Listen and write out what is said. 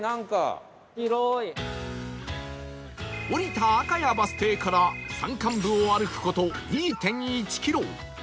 降りた赤谷バス停から山間部を歩く事 ２．１ キロ